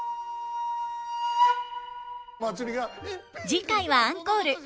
次回はアンコール。